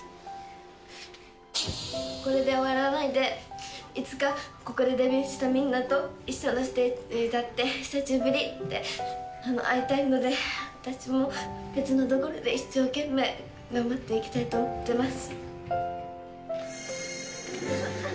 これで終わらないで、いつかここでデビューしたみんなと一緒のステージに立って、久しぶりって会いたいので、私も別の所で一生懸命頑張っていきたいと思ってます。